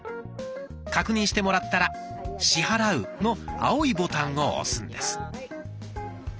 確認してもらったら「支払う」の青いボタンを押すんです。